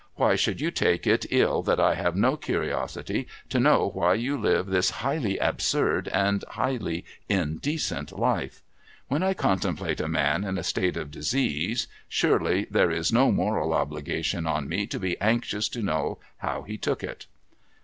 ' Why should you take it ill that I have no curiosity to know why you live this highly absurd and highly indecent life ? When I contemplate a man in a state 262 TOM TIDDLER'S GROUND of disease, surely there is no moral obligation on me to be anxious to know how he took it.'